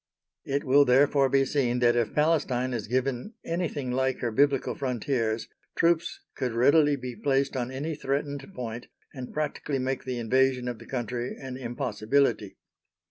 It will therefore be seen that if Palestine is given anything like her Biblical frontiers, troops could readily be placed on any threatened point and practically make the invasion of the country an impossibility.